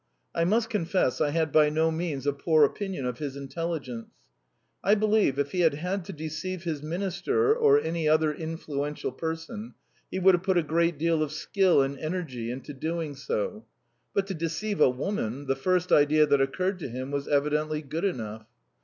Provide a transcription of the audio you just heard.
I must confess I had by no means a poor opinion of his intelligence. I believe if he had had to deceive his minister or any other influential person he would have put a great deal of skill and energy into doing so; but to deceive a woman, the first idea that occurred to him was evidently good enough.